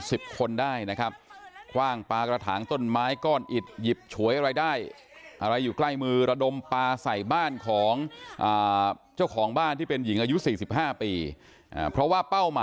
เอ่อเพราะว่าเป้าหมายเติมนาฬิกา